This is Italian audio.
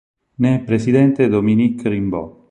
Ne è presidente Dominique Rimbaud.